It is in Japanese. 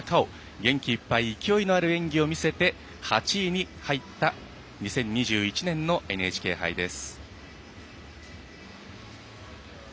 元気いっぱい勢いのある演技を見せて８位に入った２０２１年のＮＨＫ杯です。